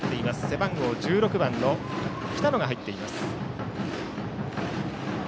背番号１６の北野が入っています。